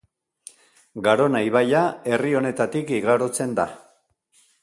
Garona ibaia herri honetatik igarotzen da.